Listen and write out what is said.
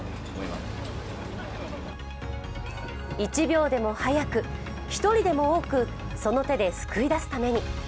１秒でも早く、１人でも多く、その手で救い出すために。